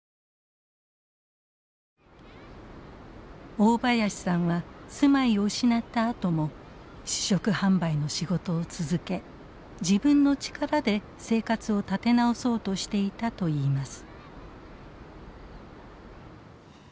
大林さんは住まいを失ったあとも試食販売の仕事を続け自分の力で生活を立て直そうとしていたといいます。